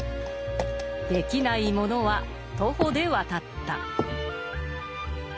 できない者は徒歩で渡った。